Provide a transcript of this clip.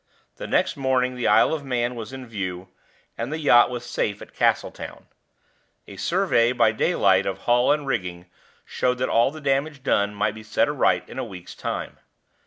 The next morning the Isle of Man was in view, and the yacht was safe at Castletown. A survey by daylight of hull and rigging showed that all the damage done might be set right again in a week's time.